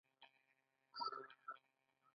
خپل استازی په خوشالۍ ور ستنوي که نه.